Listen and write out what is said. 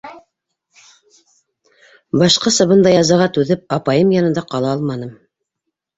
Башҡаса бындай язаға түҙеп апайым янында ҡала алманым.